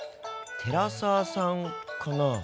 寺澤さんかな？